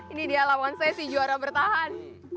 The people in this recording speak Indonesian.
ini dia lawan saya si juara bertahan